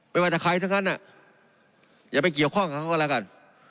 ไม่ว่าจะใครทั้งนั้นอย่าไปเกี่ยวข้องกับเขาก็แล้วกัน